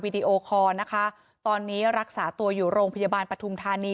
ดีโอคอร์นะคะตอนนี้รักษาตัวอยู่โรงพยาบาลปฐุมธานี